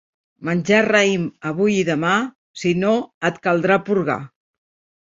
Menja raïm avui i demà; si no, et caldrà purgar.